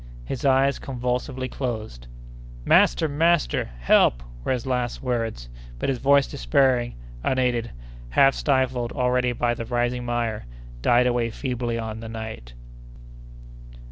His eyes convulsively closed! "Master! master!—Help!" were his last words; but his voice, despairing, unaided, half stifled already by the rising mire, died away feebly on the night.